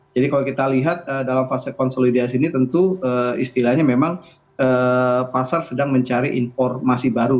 jadi kalau kita lihat dalam fase konsolidasi ini tentu istilahnya memang pasar sedang mencari informasi baru